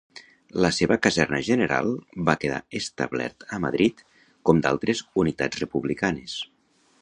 La seva Caserna General va quedar establert a Madrid, com d'altres unitats republicanes.